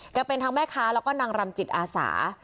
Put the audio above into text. เป็นทั้งแม่ค้าแล้วก็นางรำจิตอาสา